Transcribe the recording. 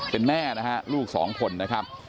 เป็นแม่นะฮะลูกสองคนนะครับ